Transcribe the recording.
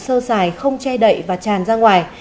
sơ xài không che đậy và tràn ra ngoài